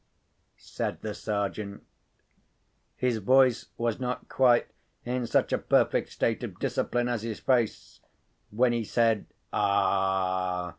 said the Sergeant. His voice was not quite in such a perfect state of discipline as his face. When he said "Ah!"